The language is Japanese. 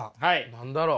何だろう。